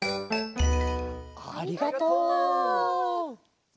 ありがとう！